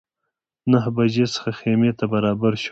نهه بجو څخه خیمې ته برابر شوو.